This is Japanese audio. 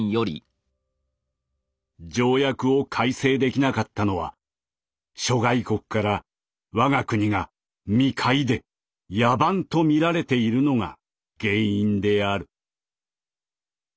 「条約を改正できなかったのは諸外国から我が国が未開で野蛮と見られているのが原因である」。